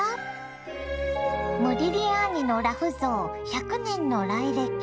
モディリアーニの裸婦像１００年の来歴。